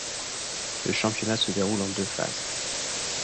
Le championnat se déroule en deux phases.